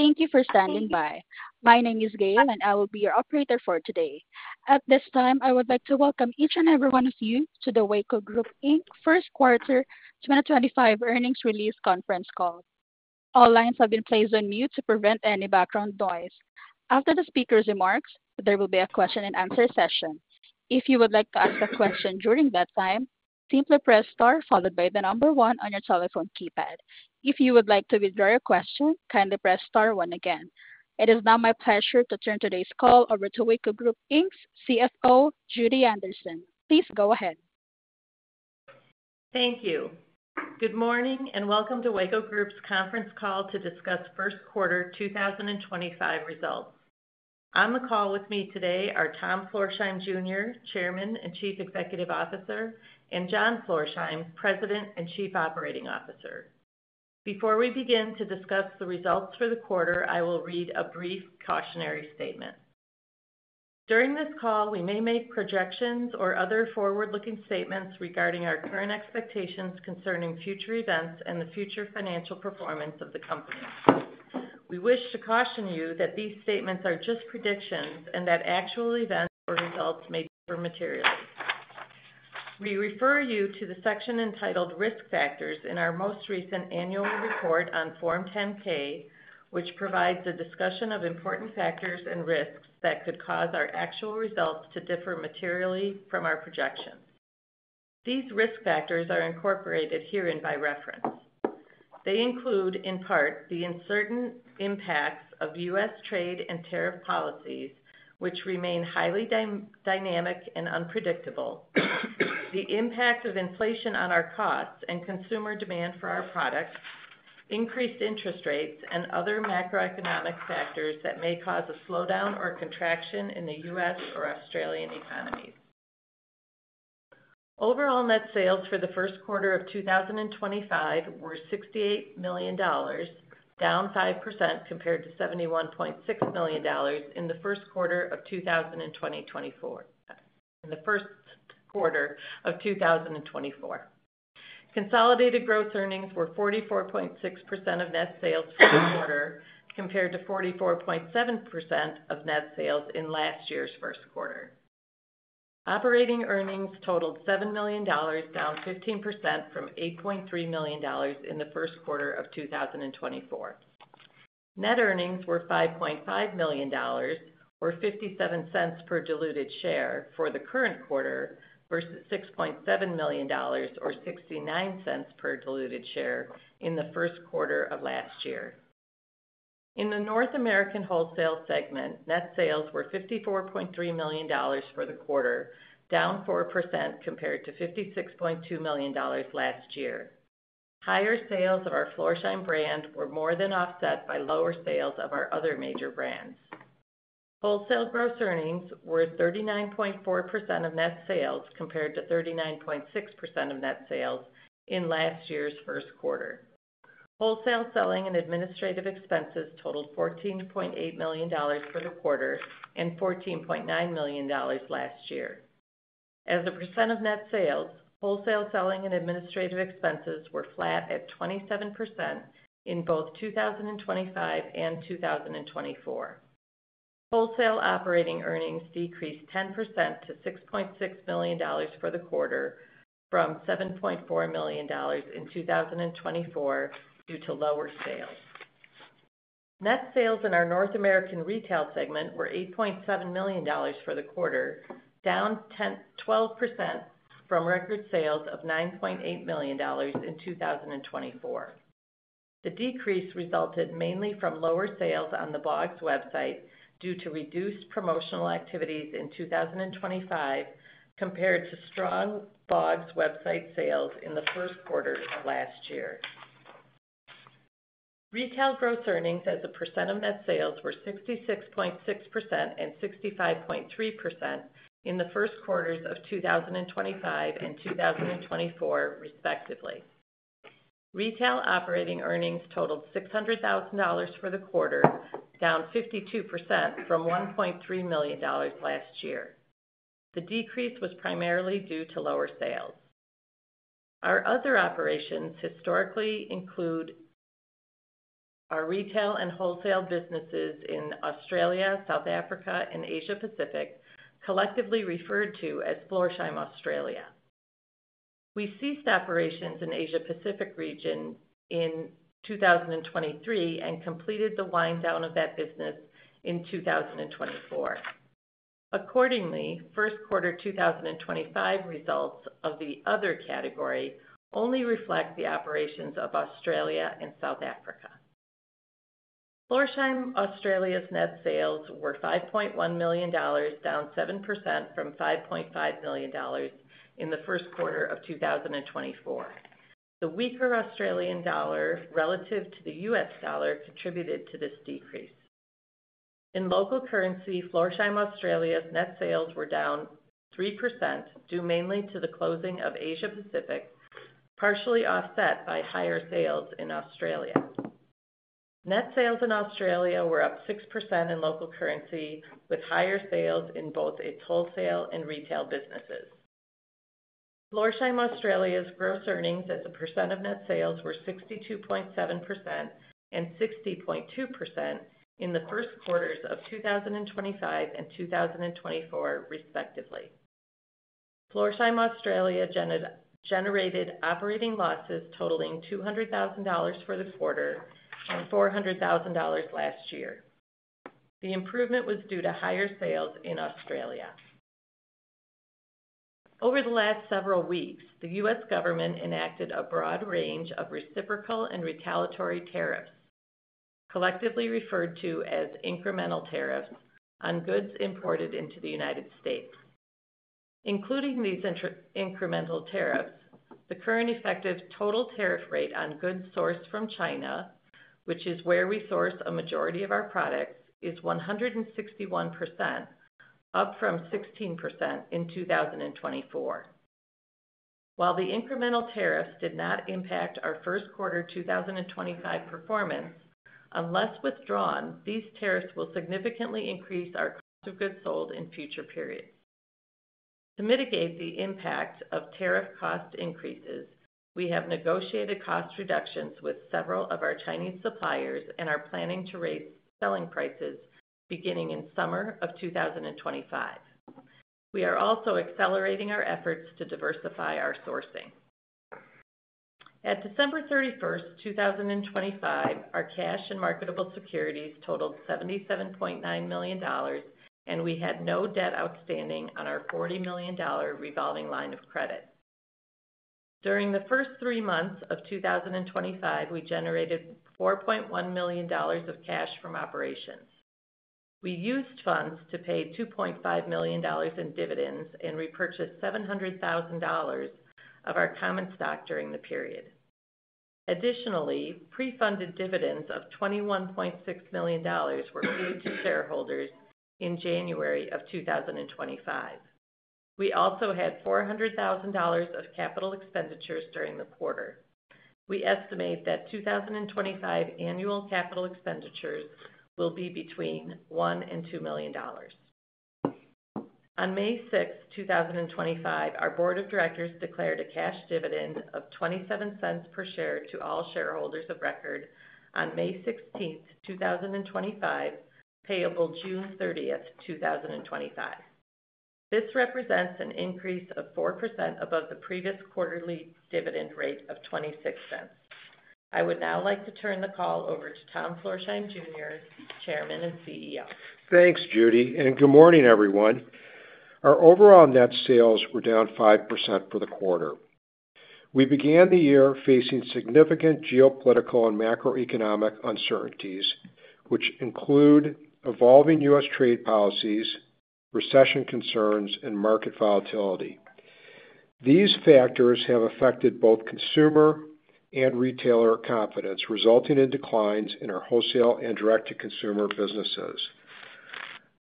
Thank you for standing by. My name is Gayle, and I will be your operator for today. At this time, I would like to welcome each and every one of you to the Weyco Group, Inc First Quarter 2025 Earnings Release Conference Call. All lines have been placed on mute to prevent any background noise. After the speaker's remarks, there will be a question-and-answer session. If you would like to ask a question during that time, simply press star followed by the number one on your telephone keypad. If you would like to withdraw your question, kindly press star one again. It is now my pleasure to turn today's call over to Weyco Group CFO Judy Anderson. Please go ahead. Thank you. Good morning and welcome to Weyco Group's conference call to discuss first quarter 2025 results. On the call with me today are Tom Florsheim Jr., Chairman and Chief Executive Officer, and John Florsheim, President and Chief Operating Officer. Before we begin to discuss the results for the quarter, I will read a brief cautionary statement. During this call, we may make projections or other forward-looking statements regarding our current expectations concerning future events and the future financial performance of the company. We wish to caution you that these statements are just predictions and that actual events or results may differ materially. We refer you to the section entitled Risk Factors in our most recent annual report on Form 10-K, which provides a discussion of important factors and risks that could cause our actual results to differ materially from our projections. These risk factors are incorporated herein by reference. They include, in part, the uncertain impacts of U.S. trade and tariff policies, which remain highly dynamic and unpredictable. The impact of inflation on our costs and consumer demand for our products, increased interest rates, and other macroeconomic factors that may cause a slowdown or contraction in the U.S. or Australian economies. Overall net sales for the first quarter of 2025 were $68 million, down 5% compared to $71.6 million in the first quarter of 2024. In the first quarter of 2024, consolidated gross earnings were 44.6% of net sales for the quarter compared to 44.7% of net sales in last year's first quarter. Operating earnings totaled $7 million, down 15% from $8.3 million in the first quarter of 2024. Net earnings were $5.5 million, or $0.57 per diluted share, for the current quarter versus $6.7 million, or $0.69 per diluted share, in the first quarter of last year. In the North American wholesale segment, net sales were $54.3 million for the quarter, down 4% compared to $56.2 million last year. Higher sales of our Florsheim brand were more than offset by lower sales of our other major brands. Wholesale gross earnings were 39.4% of net sales compared to 39.6% of net sales in last year's first quarter. Wholesale selling and administrative expenses totaled $14.8 million for the quarter and $14.9 million last year. As a percent of net sales, wholesale selling and administrative expenses were flat at 27% in both 2025 and 2024. Wholesale operating earnings decreased 10% to $6.6 million for the quarter, from $7.4 million in 2024 due to lower sales. Net sales in our North American retail segment were $8.7 million for the quarter, down 12% from record sales of $9.8 million in 2024. The decrease resulted mainly from lower sales on the BOGS website due to reduced promotional activities in 2025 compared to strong BOGS website sales in the first quarter of last year. Retail gross earnings as a percent of net sales were 66.6% and 65.3% in the first quarters of 2025 and 2024, respectively. Retail operating earnings totaled $600,000 for the quarter, down 52% from $1.3 million last year. The decrease was primarily due to lower sales. Our other operations historically include our retail and wholesale businesses in Australia, South Africa, and Asia-Pacific, collectively referred to as Florsheim Australia. We ceased operations in the Asia-Pacific region in 2023 and completed the wind-down of that business in 2024. Accordingly, first quarter 2025 results of the other category only reflect the operations of Australia and South Africa. Florsheim Australia's net sales were $5.1 million, down 7% from $5.5 million in the first quarter of 2024. The weaker Australian dollar relative to the U.S. dollar contributed to this decrease. In local currency, Florsheim Australia's net sales were down 3% due mainly to the closing of Asia-Pacific, partially offset by higher sales in Australia. Net sales in Australia were up 6% in local currency, with higher sales in both its wholesale and retail businesses. Florsheim Australia's gross earnings as a percent of net sales were 62.7% and 60.2% in the first quarters of 2025 and 2024, respectively. Florsheim Australia generated operating losses totaling $200,000 for the quarter and $400,000 last year. The improvement was due to higher sales in Australia. Over the last several weeks, the U.S. Government enacted a broad range of reciprocal and retaliatory tariffs, collectively referred to as incremental tariffs, on goods imported into the United States. Including these incremental tariffs, the current effective total tariff rate on goods sourced from China, which is where we source a majority of our products, is 161%, up from 16% in 2024. While the incremental tariffs did not impact our first quarter 2025 performance, unless withdrawn, these tariffs will significantly increase our cost of goods sold in future periods. To mitigate the impact of tariff cost increases, we have negotiated cost reductions with several of our Chinese suppliers and are planning to raise selling prices beginning in summer of 2025. We are also accelerating our efforts to diversify our sourcing. At December 31, 2025, our cash and marketable securities totaled $77.9 million, and we had no debt outstanding on our $40 million revolving line of credit. During the first three months of 2025, we generated $4.1 million of cash from operations. We used funds to pay $2.5 million in dividends and repurchased $700,000 of our common stock during the period. Additionally, pre-funded dividends of $21.6 million were paid to shareholders in January of 2025. We also had $400,000 of capital expenditures during the quarter. We estimate that 2025 annual capital expenditures will be between $1 million-$2 million. On May 6, 2025, our Board of Directors declared a cash dividend of $0.27 per share to all shareholders of record on May 16th, 2025, payable June 30th, 2025. This represents an increase of 4% above the previous quarterly dividend rate of $0.26. I would now like to turn the call over to Tom Florsheim Jr., Chairman and CEO. Thanks, Judy. Good morning, everyone. Our overall net sales were down 5% for the quarter. We began the year facing significant geopolitical and macroeconomic uncertainties, which include evolving U.S. trade policies, recession concerns, and market volatility. These factors have affected both consumer and retailer confidence, resulting in declines in our wholesale and direct-to-consumer businesses.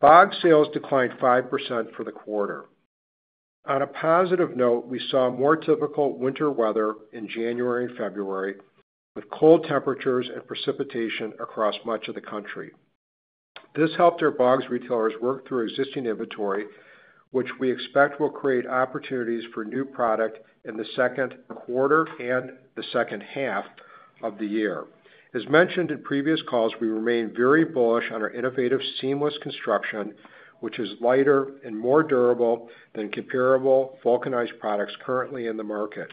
BOGS sales declined 5% for the quarter. On a positive note, we saw more typical winter weather in January and February, with cold temperatures and precipitation across much of the country. This helped our BOGS retailers work through existing inventory, which we expect will create opportunities for new product in the second quarter and the second half of the year. As mentioned in previous calls, we remain very bullish on our innovative seamless construction, which is lighter and more durable than comparable vulcanized products currently in the market.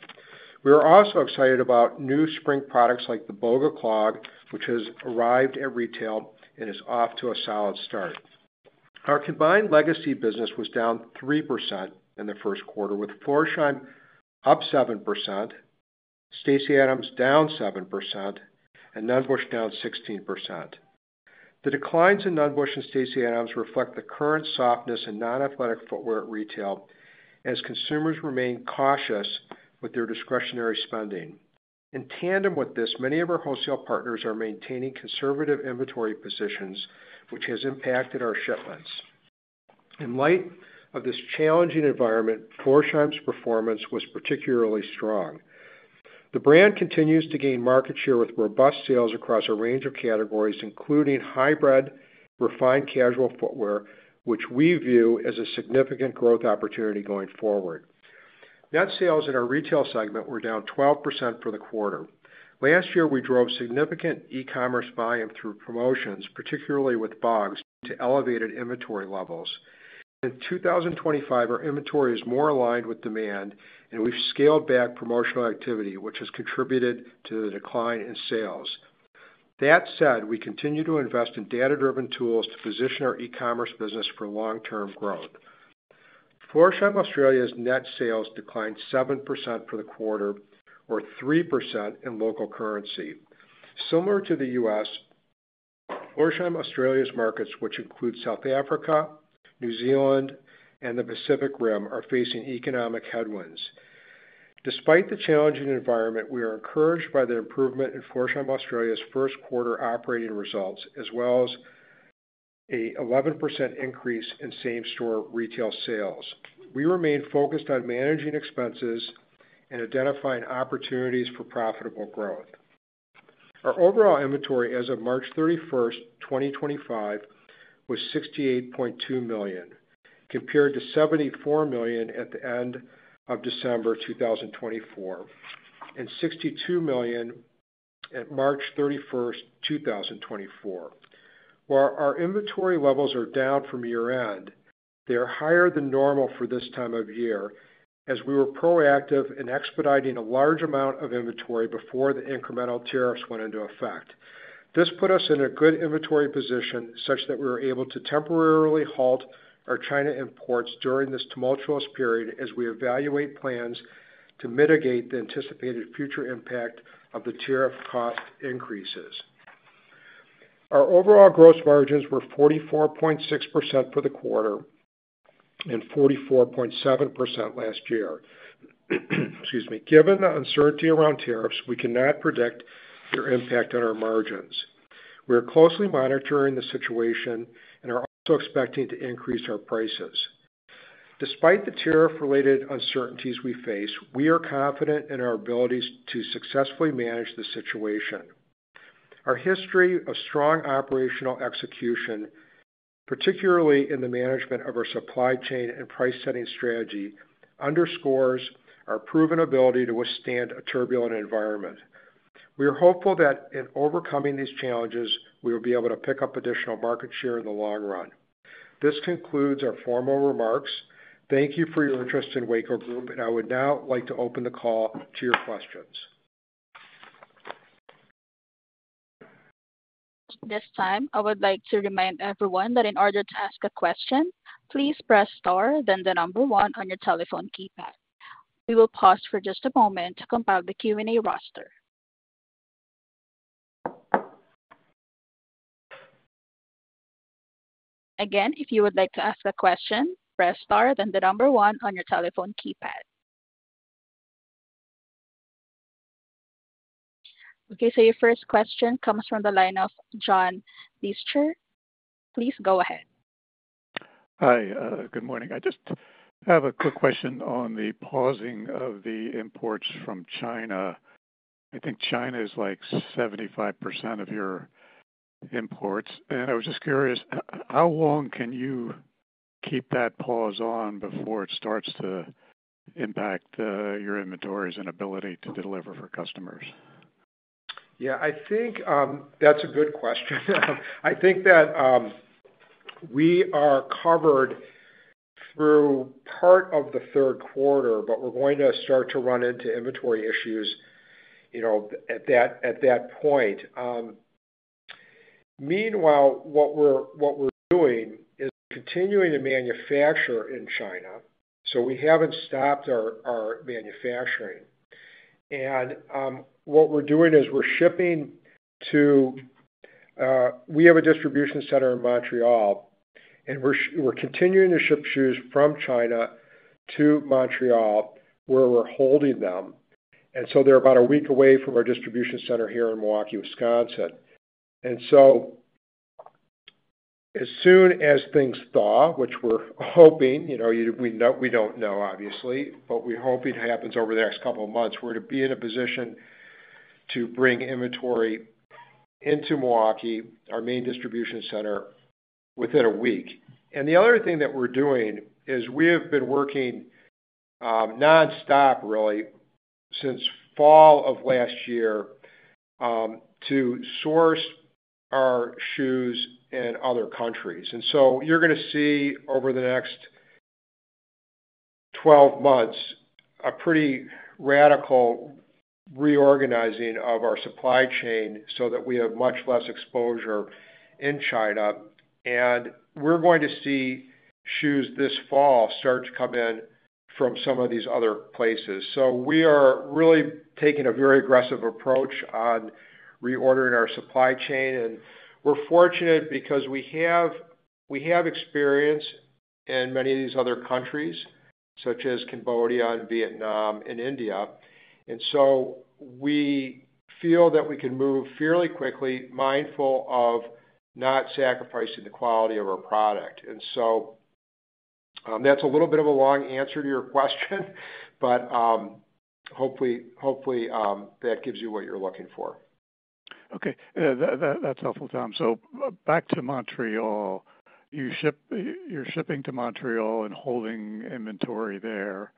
We are also excited about new spring products like the Boga Clog, which has arrived at retail and is off to a solid start. Our combined legacy business was down 3% in the first quarter, with Florsheim up 7%, Stacy Adams down 7%, and Nunn Bush down 16%. The declines in Nunn Bush and Stacy Adams reflect the current softness in non-athletic footwear retail as consumers remain cautious with their discretionary spending. In tandem with this, many of our wholesale partners are maintaining conservative inventory positions, which has impacted our shipments. In light of this challenging environment, Florsheim's performance was particularly strong. The brand continues to gain market share with robust sales across a range of categories, including hybrid, refined casual footwear, which we view as a significant growth opportunity going forward. Net sales in our retail segment were down 12% for the quarter. Last year, we drove significant e-commerce volume through promotions, particularly with BOGS, due to elevated inventory levels. In 2025, our inventory is more aligned with demand, and we've scaled back promotional activity, which has contributed to the decline in sales. That said, we continue to invest in data-driven tools to position our e-commerce business for long-term growth. Florsheim Australia's net sales declined 7% for the quarter, or 3% in local currency. Similar to the U.S., Florsheim Australia's markets, which include South Africa, New Zealand, and the Pacific Rim, are facing economic headwinds. Despite the challenging environment, we are encouraged by the improvement in Florsheim Australia's first quarter operating results, as well as an 11% increase in same-store retail sales. We remain focused on managing expenses and identifying opportunities for profitable growth. Our overall inventory as of March 31st, 2025, was $68.2 million, compared to $74 million at the end of December 2024, and $62 million at March 31st, 2024. While our inventory levels are down from year-end, they are higher than normal for this time of year, as we were proactive in expediting a large amount of inventory before the incremental tariffs went into effect. This put us in a good inventory position such that we were able to temporarily halt our China imports during this tumultuous period as we evaluate plans to mitigate the anticipated future impact of the tariff cost increases. Our overall gross margins were 44.6% for the quarter and 44.7% last year. Excuse me. Given the uncertainty around tariffs, we cannot predict their impact on our margins. We are closely monitoring the situation and are also expecting to increase our prices. Despite the tariff-related uncertainties we face, we are confident in our abilities to successfully manage the situation. Our history of strong operational execution, particularly in the management of our supply chain and price-setting strategy, underscores our proven ability to withstand a turbulent environment. We are hopeful that in overcoming these challenges, we will be able to pick up additional market share in the long run. This concludes our formal remarks. Thank you for your interest in Weyco Group, and I would now like to open the call to your questions. this time, I would like to remind everyone that in order to ask a question, please press star, then the number one on your telephone keypad. We will pause for just a moment to compile the Q&A roster. Again, if you would like to ask a question, press star, then the number one on your telephone keypad. Okay, so your first question comes from the line of John Leister. Please go ahead. Hi, good morning. I just have a quick question on the pausing of the imports from China. I think China is like 75% of your imports, and I was just curious, how long can you keep that pause on before it starts to impact your inventories and ability to deliver for customers? Yeah, I think that's a good question. I think that we are covered through part of the third quarter, but we're going to start to run into inventory issues at that point. Meanwhile, what we're doing is we're continuing to manufacture in China, so we haven't stopped our manufacturing. What we're doing is we're shipping to—we have a distribution center in Montreal, and we're continuing to ship shoes from China to Montreal, where we're holding them. They are about a week away from our distribution center here in Milwaukee, Wisconsin. As soon as things thaw, which we're hoping—we don't know, obviously, but we hope it happens over the next couple of months—we're to be in a position to bring inventory into Milwaukee, our main distribution center, within a week. The other thing that we're doing is we have been working nonstop, really, since fall of last year to source our shoes in other countries. You're going to see over the next 12 months a pretty radical reorganizing of our supply chain so that we have much less exposure in China. You're going to see shoes this fall start to come in from some of these other places. We are really taking a very aggressive approach on reordering our supply chain. We're fortunate because we have experience in many of these other countries, such as Cambodia, Vietnam, and India. We feel that we can move fairly quickly, mindful of not sacrificing the quality of our product. That's a little bit of a long answer to your question, but hopefully that gives you what you're looking for. Okay. That's helpful, Tom. Back to Montreal. You're shipping to Montreal and holding inventory there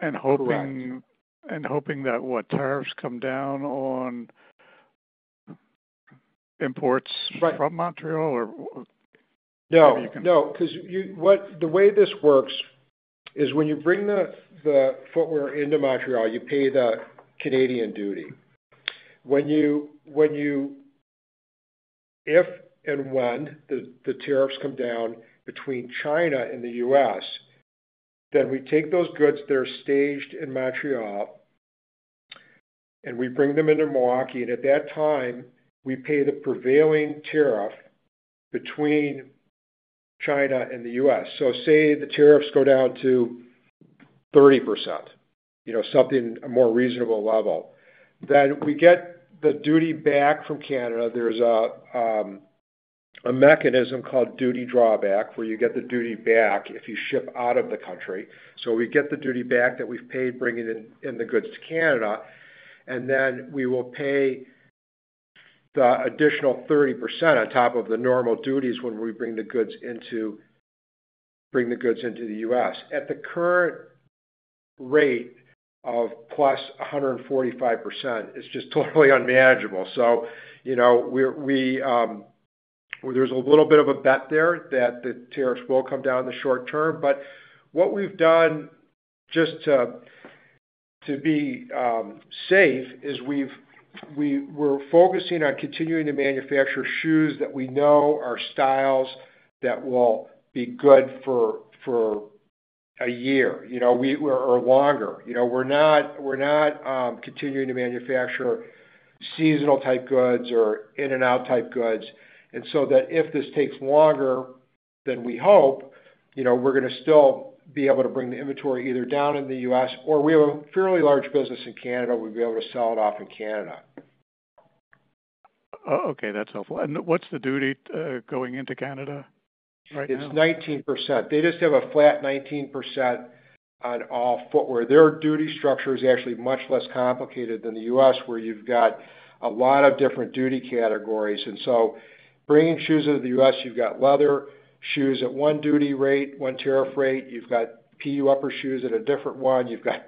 and hoping that, what, tariffs come down on imports from Montreal or you can? No. No. Because the way this works is when you bring the footwear into Montreal, you pay the Canadian duty. If and when the tariffs come down between China and the U.S., we take those goods that are staged in Montreal, and we bring them into Milwaukee. At that time, we pay the prevailing tariff between China and the U.S. Say the tariffs go down to 30%, something a more reasonable level, we get the duty back from Canada. There is a mechanism called duty drawback where you get the duty back if you ship out of the country. We get the duty back that we have paid bringing in the goods to Canada, and then we will pay the additional 30% on top of the normal duties when we bring the goods into the U.S. At the current rate of +145%, it is just totally unmanageable. There's a little bit of a bet there that the tariffs will come down in the short term. What we've done just to be safe is we're focusing on continuing to manufacture shoes that we know are styles that will be good for a year or longer. We're not continuing to manufacture seasonal-type goods or in-and-out-type goods. If this takes longer than we hope, we're going to still be able to bring the inventory either down in the U.S. or we have a fairly large business in Canada. We'll be able to sell it off in Canada. Okay. That's helpful. What's the duty going into Canada right now? It's 19%. They just have a flat 19% on all footwear. Their duty structure is actually much less complicated than the U.S., where you've got a lot of different duty categories. Bringing shoes out of the U.S., you've got leather shoes at one duty rate, one tariff rate. You've got PU upper shoes at a different one. You've got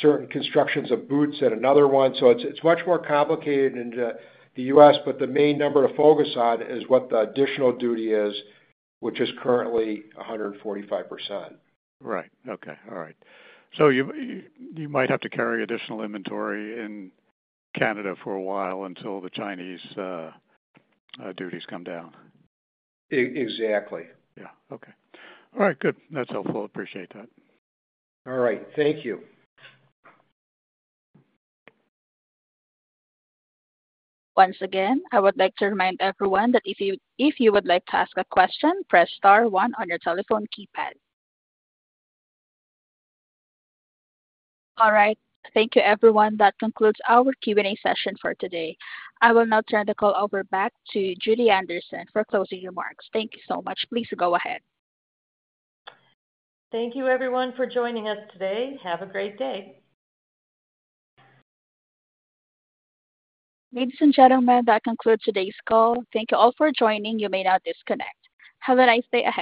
certain constructions of boots at another one. It is much more complicated in the U.S., but the main number to focus on is what the additional duty is, which is currently 145%. Right. Okay. All right. So you might have to carry additional inventory in Canada for a while until the Chinese duties come down. Exactly. Yeah. Okay. All right. Good. That's helpful. Appreciate that. All right. Thank you. Once again, I would like to remind everyone that if you would like to ask a question, press star one on your telephone keypad. All right. Thank you, everyone. That concludes our Q&A session for today. I will now turn the call over back to Judy Anderson for closing remarks. Thank you so much. Please go ahead. Thank you, everyone, for joining us today. Have a great day. Ladies and gentlemen, that concludes today's call. Thank you all for joining. You may now disconnect. Have a nice day ahead.